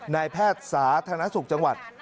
นายแพทย์สาธารณสุขจังหวัด